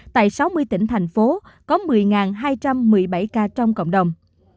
tại sáu mươi tỉnh thành phố có một mươi hai trăm một mươi bảy ca trong cộng đồng